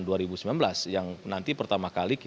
saya kira kalau saya melihat apa yang dihasilkan oleh komisi dua